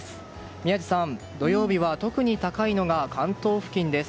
宮司さん、土曜日は特に高いのが関東付近です。